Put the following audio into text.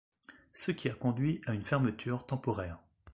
Ce qui a conduit à une fermeture temporaire.